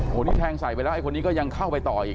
โอ้โหนี่แทงใส่ไปแล้วไอคนนี้ก็ยังเข้าไปต่ออีก